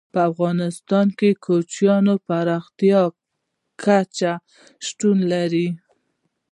په افغانستان کې کوچیان په پراخه کچه شتون لري.